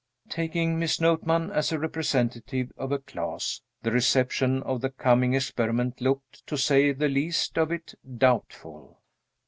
Taking Miss Notman as representative of a class, the reception of the coming experiment looked, to say the least of it, doubtful.